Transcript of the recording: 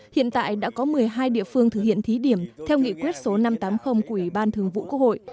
hiện tại đã có một mươi hai địa phương thực hiện thí điểm theo nghị quyết số năm trăm tám mươi của ủy ban thường vụ quốc hội